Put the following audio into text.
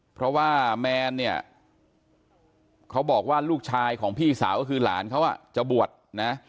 เพราะว่าแมนเนี่ยเขาบอกว่าลูกชายของพี่สาวก็คือหลานเขาจะบวชนะ